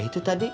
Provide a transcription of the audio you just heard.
ya itu tadi